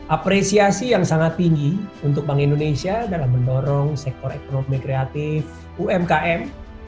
apresiasi yang sangat tinggi untuk bank indonesia dalam mendorong sektor ekonomi kreatif umkm